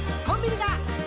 「コンビニだ！